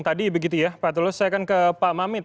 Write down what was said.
tadi begitu ya pak tulus saya akan ke pak mamit